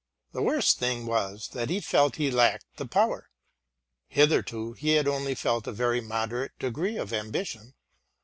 The worst thing was that he felt he lacked the power. Hitherto he had only felt a very moderate degree of ambition.